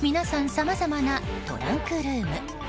さまざまなトランクルーム。